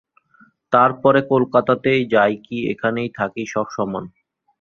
তার পরে কলকাতাতেই যাই কি এখানেই থাকি সব সমান।